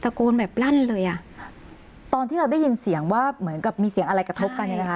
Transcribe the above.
โกนแบบลั่นเลยอ่ะตอนที่เราได้ยินเสียงว่าเหมือนกับมีเสียงอะไรกระทบกันเนี่ยนะคะ